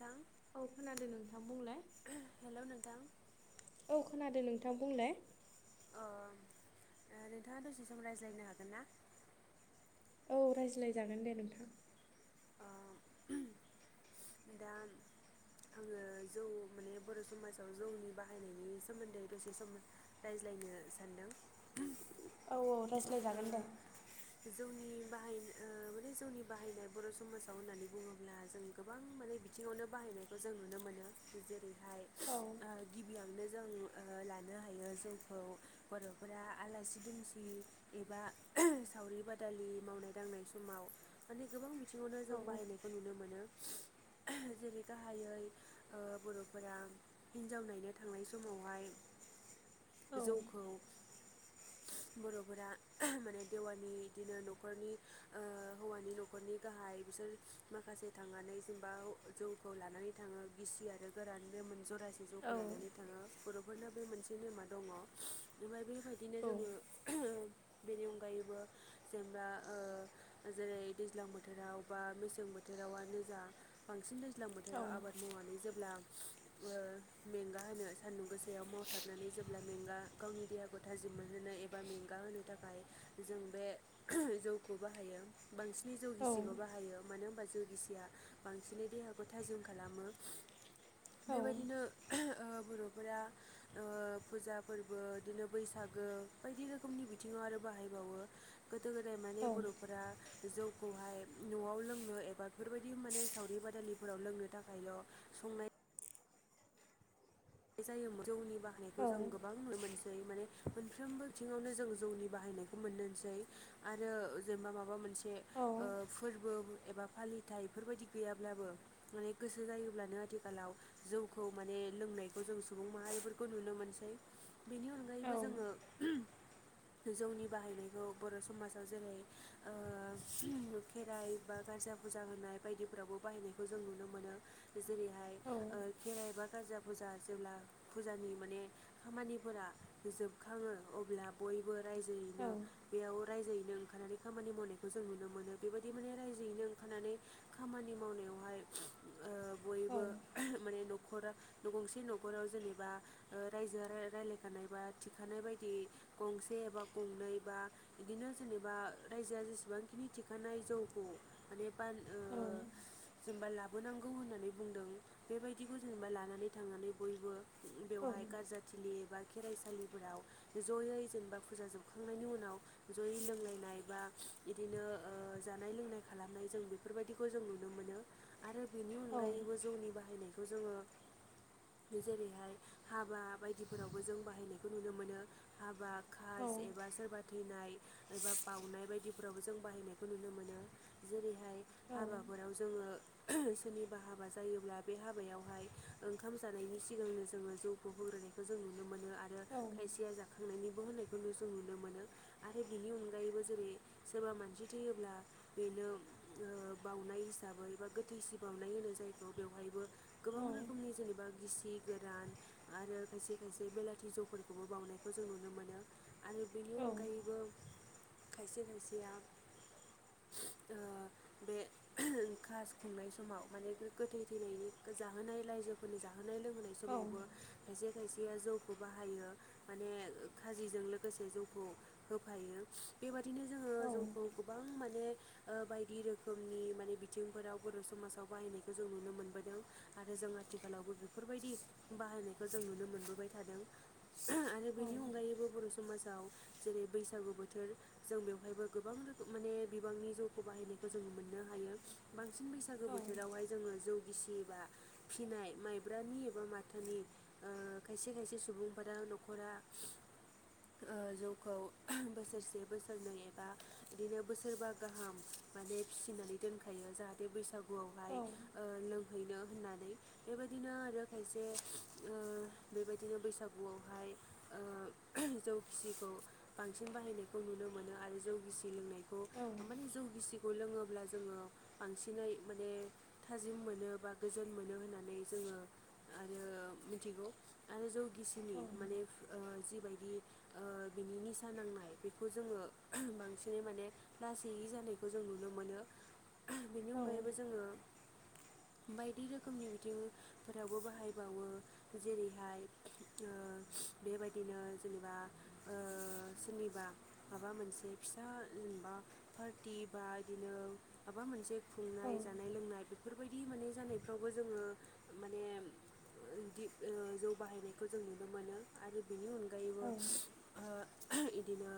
दां औ खोनादों नोंथां बुंलाय हेलौ नोंथां औ खोनादों नोंथां बुंलाय ओम नोंथाङा दसे सम रायज्लायनो हागोन ना औ रायज्लायजागोन दे नोंथां ओह दा आङो जौ माने बर' समाजाव जौनि बाहायनायनि सोमोन्दै दसे सम रायज्लायनो सानदों औ औ रायज्लायजागोन दे जोंनि बाहाय ओह माने जोंनि बाहायनाय बर' समाजाव होननानै बुङोब्ला जों गोबां माने आथिङावनो बाहायनायखौ जों नुनो मोनो जेरैहाय औ ओ गिबियावनो जों लानो हायो जौखौ बर'फोरा आलासि दुमसि एबा सावरि बादालि मावनाय दांनाय समाव माने गोबां बिथिंङावनो औ जों बाहायनायखौ नुनो मोनो जेरै गाहायै ओ बर'फोरा हिन्जाव नायनो थांनाय समावहाय औ जौखौ बर'फोरा माने देवानि इदिनो न'खरनि ओ हौवानि न'खरनि गाहाय बिसोर माखासे थांनानै जेनबा जौखौ लानानै थांङो गिसि आरो गोरान बे मोन जरा औ जौखौ लानानै थांङो बर'फोरना बे मोनसे नेमा दंङो ओमफ्राय बेबायदिनो औ जोंङो बेनि अनगायैबो जेनबा ओ जेरै दैज्लां बोथोराव बा मेसें बोथोरावानो जा बांसिन दैज्लां औ बोथोराव आबाद मावनानै जेब्ला मेंगा होनो सान्दुं गोसायाव मावथाबनानै जेब्ला मेंगा गावनि देहाखौ थाजिम मोनहोनो एबा मेंगा होनो नि थाखाय जों बे जौखौ बाहायो बांसिनै औ जौगिसिबो बाहायो मानो होनबा जौगिसिया बांसिनै देहाखौ थाजिम खालामो औ बेबायदिनो ओ बर'फोरा ओ फुजा फोरबो बिदिनो बैसागो बायदि रोखोमनि बिथिंङाव आरो बाहाय बावो गोदो गोदाय औ माने बर'फोरा जौखौहाय न'आव लोंनो एबा बेफोरबायदि माने सावरि बादालिफोराव लोंनो थाखायल' संनाय जायोमोन जौनि बाहायनायखौ जों गोबां नुनो मोनसै माने मोनफ्रोमबो बिथिंङावनो जों जौनि बाहायनायखौ मोनोसै आरो जेनेबा माबा मोनसे औ फोरबो एबा फालिथाय बेफोरबायदि गैयाब्लाबो माने गोसो जायोब्लानो आथिखालाव जौखौ माने लोंनाय जों सुबुं माहारिफोरखौ नुनो मोनसै बेनि अनगायैबो जोंङो औ जौनि बाहायनायखौ बर' समाजाव जेरै खेराइ बा गारजा फुजा होनाय बायदिफोरावबो बाहायनायखौ जों नुनो मोनो जेरैहाय खेराइ बा गारजा फुजा जेब्ला फुजानि माने खामानिफोरा जोबखांङो अब्ला बयबो रायजोयैनो बेयाव रायजोयैनो ओंखारनानै खामानि मावनायखौ जों नुनो मोनो बेबायदि माने रायजोयैनो ओंखारनानै खामानि मावनायावहाय बयबो माने न'खरा न' गंसे नख खराव जेनेबा रायजो रायजलायखानाय बा थिखानाय बायदि गंसे एबा गंनै बा बिदिनो जेनेबा रायजोआ जेसेबांखिनि थिखानाय जौखौ माने औ ओ जेनेबा लाबोनांगौ होननानै बुंदों बेबायदिखौ जेनेबा लानानै थांनानै बयबो बेवहाय गारजाथिलि एबा खेराइसालिफोराव ज'यै जेनेबा फुजा जोबखांनायनि उनाव जयै लोंलायनाय बा इदिनो जानाय लोंनाय खालामनाय जों बेफोरबायदिखौ जों नुनो मोनो आरो बेनि उनाव औ जौनि बाहायनायखौ जोंङो जेरैहाय हाबा बायदिफोरावबो जों बाहायनायखौ नुनो मोनो हाबा खास एबा सोरबा थैनाय एबा बावनाय बायदि फोरावबो जों बाहायनायखौ नुनो मोनो जेरैहाय हाबाफोराव जोंङो सोरनिबा हाबा जायोब्ला बे हाबायावहाय ओंखाम जानायनि सिगांनो जोङो जौखौ होग्रोनायखौ जों नुनो मोनो आरो खायसेया जाखांनायनिबो होनाय बेखौ जों नुनो मोनो आरो बिनि अनगायैबो जेरै सोरबा मानसि थैयोब्ला बेनो बाउनाय हिसाबै बा गोथैसि बाउनाय होनो जायखौ बेवहायबो गोबां रोखोमनि जेनेबा गिसि गोरान आरो खायसे खायसे बेलाथि जौफोरखौबो बावनायखौ जों नुनो मोनो। आरो बेनि अनगायैबो खायसे खायसेया ओ बे खास खुंनाय समाव माने गोथै थैनायनि जाहोनाय रायजोफोरनि जाहो जाहोनाय लोंहोनाय समावबो खायसे खायसेया जौखौ बाहायो माने खाजिजों लोगोसे जौखौ होफायो बेबादिनो जोङो जौखौ गोबां माने बायदि रोखोमनि माने बिथिंफोराव बर' समाजाव बाहायनायखौ जों नुनो मोनबोदों। आरो जों आथिखालावबो बेफोरबायदि बाहायनायखौ जों नुनो मोनबोबाय थादों आरो बेनि अनगायैबो बर' सु समाजाव जेरै बैसागु बोथोर जों बेवहायबो गोबां रोखोम माने बिबांनि जौखौ बाहायनायखौ जोंङो मोननो हायो बांसिन बैसो बैसागो बोथोरावहाय जोङो जौ गिसि बा फिनाय माइ ब्रानि एबा माथानि खायसे खायसे सुबुंफोरा न'खरा जौखौ बोसोरसे बोसोरनै एबा बिदिनो बोसोरबा गाहाम माने फिसिनानै दोनखायो जाहाथे बैसागु गुआवहाय लोंहैनो होननानै बिदिनो आरो खायसे बेबायदिनो बैसागुआवहाय जौ गिसिखौ बांसिन बाहायनायखौ नुनो मोनो आरो जौ गिसि लोंनाय खौ माने जौ गिसि खौ लोङोब्ला जोङो बांसिनै माने थाजिम मोनो बा गोजोन मोनो होननानै जोङो आरो मिथिगौ आरो जौ गिसिनि माने जिबायदि बिनि निसा नांनाय बेखौ जोङो बांसिनै माने लासैयै जानायखौ जों नुनो मोनो। बिनि अनगायैबो जोङो बायदि रोखोमनि बिथिं फोरावबो बाहायबावो जेरैहाय बेबायदिनो जेनेबा सोरनिबा माबा मोनसे फिसा जेनेबा पार्टि बा बिदिनो माबा मोनसे खुंनाय जानाय औ लोंनाय बेफोरबायदि माने जानायफ्रावबो जोङो माने इदि जौ बाहायनायखौ जों नुनो मोनो। आरो बिनि अनगायैबो औ इदिनो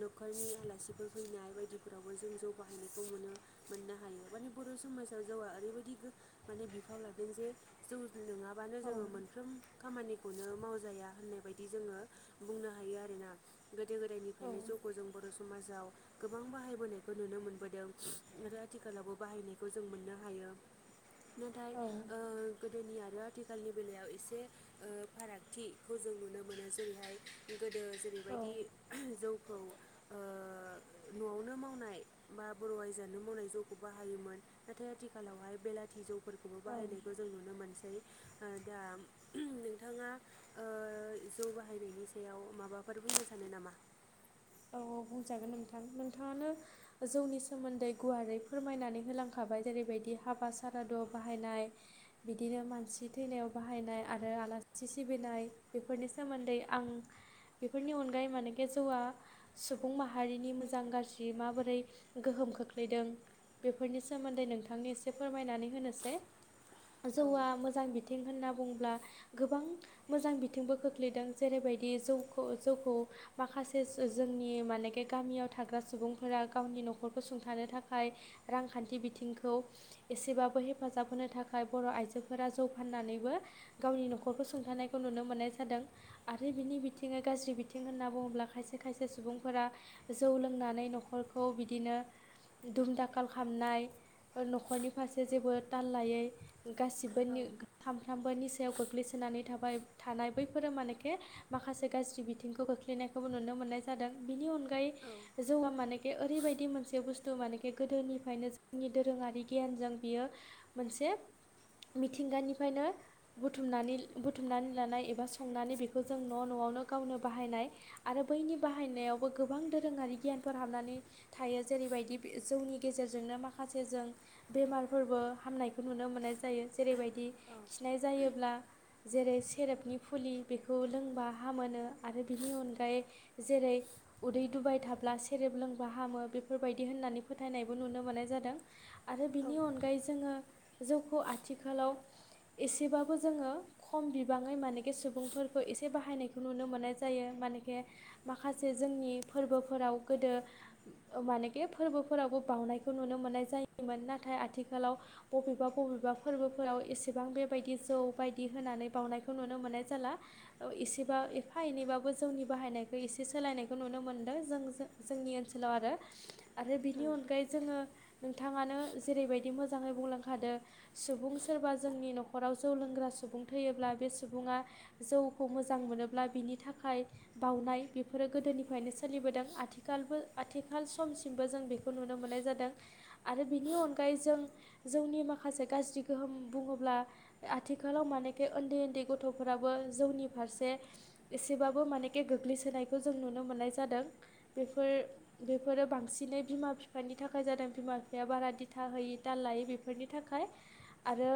न'खरनि आलासिफोर फैनाय बायदिफोरावबो जों जौ बाहायनायखौ मोनो। मोननो हायो माने बर' समाजाव जौवा ओरैबायदि माने बिफाव लादों जे जौ नोङाबानो औ जोङो मोनफ्रोम खामानिखौनो मावजाया होननाय बायदि जोङो बुंनो हायो आरोना गोदो गोदायनिफ्रायनो जौखौ जों बर' समाजाव गोबां बाहायबोनायखौ नुनो मोनबोदों आरो आथिखालावबो बाहायनायखौ जों मोननो हायो। नाथाय औ गोदोनि आरो आथिखालनि बेलायाव एसे फारागथिखौ जों नुनो मोनो जेरैहाय गोदो औ जेरैबायदि जौखौ न'आवनो मावनाय बा बर' आयजोआनो मावनाय जौखौ बाहायोमोन नाथाय आथिखालावहाय बेलाथि जौफोरखौबो औ बाहायनायखौ जों नुनो मोनसै दा नोंथाङा जौ बाहायनायनि सायाव माबाफोर बुंनो सानो नामा? औ औ बुंजागोन नोंथां नोंथाङानो जौनि सोमोन्दै गुवारै फोरमायनानै होलांखाबाय जेरैबायदि हाबा सारादुयाव बाहायनाय बिदिनो मानसि थैनायाव बाहायनाय आरो आलासि सिबिनाय बेफोरनि सोमोन्दै आं बेफोरनि अनगायै मानेखे जौआ सुबुं माहारिनि मोजां गाज्रि माबोरै गोहोम खोख्लैदों बेफोरनि सोमोन्दै नोंथांनि एसे फोरमायनानै होनोसै। औ जौआ मोजां बि थिं होनना बुंब्ला गोबां मोजां बिथिंबो खोख्लैदों जेरैबायदि जौखौ जौखौ माखासे जोंनि मानेखे गामियाव थाग्रा सुबुंफोरा गावनि न'खरखौ सुंथानो थाखाय रांखान्थि बिथिंखौ एसेबाबो हेफाजाब होनो थाखाय बर' आइजोफोरा जौ फाननानैबो गावनि न'खरखौ सोंथानायखौ नुनो मोननाय जादों आरो बिनि बिथिङा गाज्रि बिथिं होनना बुङोब्ला खायसे खायसे सुबुंफोरा जौ लोंनानै न'खरखौ बिदिनो दुम दाखाल खालामनाय न'खरनि फारसे जेबो ताल लायै औ गासिबोनि सानफ्रोमबोनि सायाव गोग्लैसोनानै थाबाय थानाय बैफोरो मानेखे माखासे गाज्रि बिथिंखौ खोख्लैनायखौबो नुनो मोननाय जादों। बिनि अनगायै औ जौआ मानेखे ओरैबायदि मोनसे बुस्थु माने बे गोदोनिफ्रायनो जोंनि दोरोङारि गियानजों बियो मोनसे मिथिंगानिफ्रायनो बुथुमनानै बुथुमनानै लानाय एबा संनानै बेखौ जों न' न'आवनो गावनो बाहायनाय आरो बैनि बाहायनायावबो गोबां दोरोङारि गियानफोर हाबनानै थायो जेरैबायदि जौनि गेजेरजोंनो माखासे जों बेमारफोरबो हामनायखौ नुनो मोननाय जायो जेरैबायदि खिनाय जायोब्ला जेरै सेरेबनि फुलि बेखौ लोंबा हामोनो आरो बिनि अनगायै जेरै उदै दुबाय थाब्ला से सेरेब लोंबा हामो बेफोरबायदि होननानै फोथायनायबो नुनो मोननाय जादों। आरो औ बिनि अनगायै जोङो जौखौ आथिखालाव एसेबाबो जोङो खम बिबाङै मानेखे सुबुंफोरखौ एसे बाहायनायखौ नुनो मोननाय जायो मानेखे माखासे जोंनि फोरबोफोराव गोदो मानेखे फोरबोफोरावबो बावनायखौ नुनो मोननाय जायोमोन नाथाय आथिखालाव बबेबा बबेबा फोरबोफोराव एसेबां बेबायदि जौ बायदि होनानै बावनायखौ नुनो मोननाय जाला एसेबा एफा एनैबाबो जोंनि बाहायनाय एसे सोलायनायखौ नुनो मोनदों। जों जोंनि ओनसोलाव आरो आरो बिनि अनगायै जोङो नोंथाङानो जेरैबायदि मोजाङै बुंलांखादों सुबुं सोरबा जोंनि न'खराव जौ लोंग्रा सुबुं थैयोब्ला बे सुबुङा जौखौ मोजां मोनोब्ला बिनि थाखाय बावनाय बेफोरो गोदोनिफ्रायनो सोलिबोदों आथिखालबो आथिखाल समसिमबो जों बे खौ नुनो मोननाय जादों आरो बेनि अनगायै जों जोंनि माखासे गाज्रि गोहोम बुङोब्ला आथिखालाव मानेखे उन्दै उन्दै गथ'फोराबो जौनि फारसे एसेबाबो मानेके गोग्लैसोनायखौ जों नुनो मोननाय जादों बेफोर बेफोरो बांसिनै बिमा बिफानि थाखाय जादों बिमा बिफाया बारा दिथा होयै ताल लायै बे फोरनि थाखाय आरो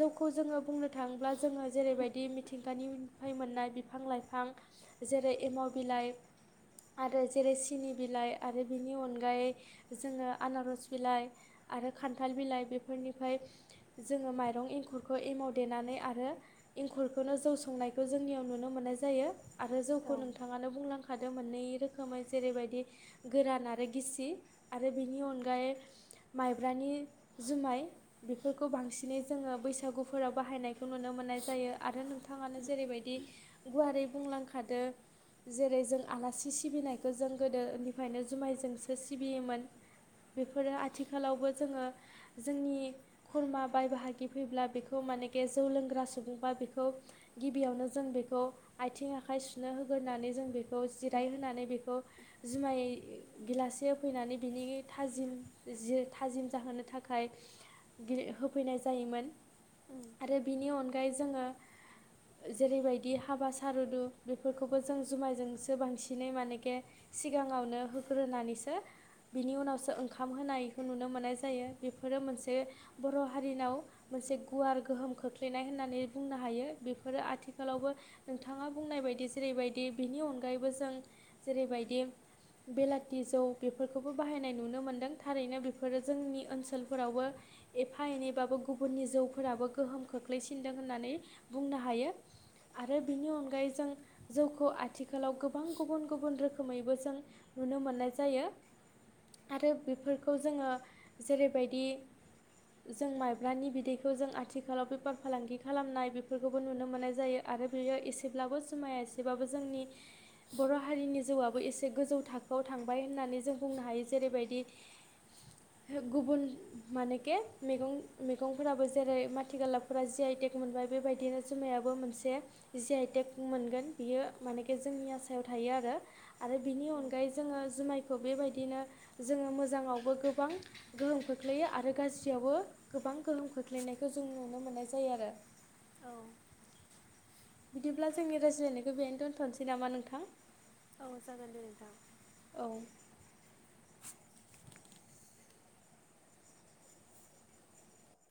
जौखौ जोङो बुंनो थांब्ला जेरैबादि मिथिंगानि फ्राय मोननाय बिफां लाइफां जेरै एमाव बिलाइ आरो जेरै सिनि बिलाइ आरो बिनि अनगायै जोङो आनारस बिलाइ आरो खान्थाल बिलाइ बेफोरनिफ्राय जोङो माइरं एंखुरखौ एमाव देनानै आरो इंखुरखौनो जौ संनायखौ जोंनियाव नुनो मोन्नाय जायो आरो जौखौ नों [unintelligible] खादों मोननै रोखोमै जेरैबायदि गोरान आरो गिसि आरो बेनि अनगायै माइब्रानि जुमाय बेफोरखौ बांसिनै जोङो बैसागुफोराव बाहायनायखौ नुनो मोननाय जायो आरो नोंथां बिथाङानो जेरैबायदि गुवारै बुंलांखादो जेरै जों आलासि सिबिनायखौ जों गोदोनिफ्रायनो जुमायजोंसो सिबियोमोन बेफोरनो आथिखालावबो जोङो जोंनि खुरमा बाय बाहागि फैब्ला बेखौ मानेके जौ लोंग्रा सुबुंबा बेखौ गिबियावनो जों बेखौ आथिं आखाइ सुनो होगोरोनानै जों बेखौ जिरायहोनानै बेखौ जुमाय गेलाससे होफैनानै बिनि थाजिम ज थाजिम जाहोनो थाखाय थाखाय गि- होफैनाय जायोमोन आरो बिनि अनगायै जोङो जेरैबायदि हाबा सारुदु बे फोरफोरखौबो जों जुमायजोंसो बांसिनै मानेखे सिगाङावनो होग्रोनानैसो बिनि उनावसो ओंखाम होनायखौ नुनो मोननाय जायो बेफोरो मोनसे बर' हारिनाव मोनसे गुवार गोहोम खोख्लैनाय होननानै बुंनो हायो बेफोरो आथिखालावबो नोंथाङा बुंनाय बायदि जेरैबायदि बिनि अनगायैबो जों जेरैबायदि बेलाथि जौ बेफोरखौबो बाहायनाय नुनो मोन्दों थारैनो बेफोरो जोंनि ओनसोलफोरावबो एफा एनैबाबो गुबुननि जौफोराबो गोहोम खोख्लैसिनदों होननानै बुंनो हायो। आरो बेनि अनगायै जों जौखौ आथिखालाव गोबां गुबुन गुबुन रोखोमैबो जों नुनो मोननाय जायो। आरो बेफोरखौ जोङो जेरैबायदि जों माइब्रानि बिदैखौ जों आथिखालाव बेफार फालांगि खालामनाय बेफोरखौबो नुनो मोननाय जायो। आरो बियो एसेब्लाबो जुमाया एसेबाबो जोंनि बर' हारिनि जिौआबो एसे गोजौ थाखोआव थांबाय होननानै जों बुंनो हायो जेरैबायदि गुबुन मानेखे मैगं मैगंफोराबो जेरै मथिगाला फोर्रा जि आइटेक मोनबाय बेबायदिनो जुमायाबो मोनसे जि आइ टेक मोनगोन। बियो मानेखे जोंनि आसायाव थायो आरो आरो बिनि अनगायै जोङो जुमाय खौ बेबायदिनो जोङो मोजाङावबो गोबां गोहोम खोख्लैयो आरो गाज्रियावबो गोबां गोहोम खोख्लैनायखौ जों नुनो मोननाय जायो आरो। औ बिदिब्ला जोंनि रायज्लायनायखौ बेहनो दोनथ'नोसै नामा नोंथां? औ जागोन दे नोंथां। औ